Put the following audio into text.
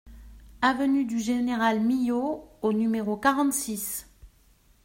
Avenue du Général Milhaud au numéro quarante-six